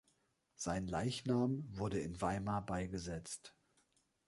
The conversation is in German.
Sein Leichnam wurde in Weimar beigesetzt.